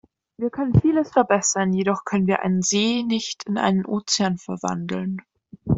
Wir können vieles verbessern, jedoch können wir einen See nicht in einen Ozean verwandeln.